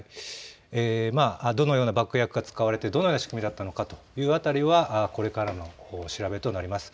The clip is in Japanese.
どのような爆薬が使われてどのような仕組みだったのかという辺りはこれからの調べとなります。